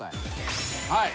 はい。